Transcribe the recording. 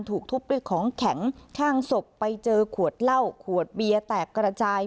ถูกทุบด้วยของแข็งข้างศพไปเจอขวดเหล้าขวดเบียร์แตกกระจาย